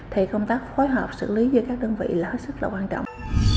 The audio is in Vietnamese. thì công tác phối hợp xử lý giữa các đơn vị là rất là quan trọng